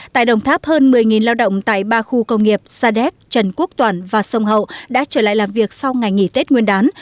tại đồng tháp hơn một mươi lao động tại ba khu công nghiệp sa đéc trần quốc toản và sông hậu đã trở lại làm việc sau ngày nghỉ tết nguyên đán